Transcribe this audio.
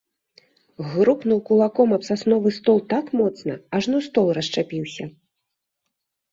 Грукнуў кулаком аб сасновы стол так моцна, ажно стол расшчапіўся.